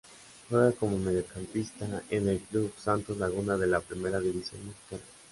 Juega como mediocampista en el Club Santos Laguna de la Primera División Mexicana.